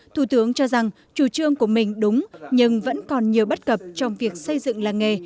thủ tướng cho rằng chủ trương của mình đúng nhưng vẫn còn nhiều bất cập trong việc xây dựng làng nghề